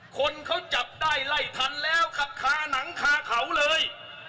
คนเขาจับได้ไล่ทันแล้วขับคาหนังคาเขาเลย